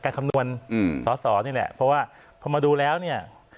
คำนวณสอสอนี่แหละเพราะว่าพอมาดูแล้วเนี่ย